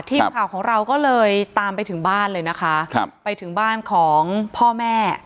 ทีมข่าวของเราก็เลยตามไปถึงบ้านเลยนะคะครับไปถึงบ้านของพ่อแม่